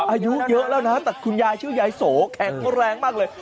อายุเยอะแล้วนะแต่คุณยายชื่อยายโสแข็งแรงมากเลย